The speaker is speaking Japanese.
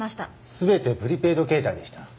全てプリペイド携帯でした。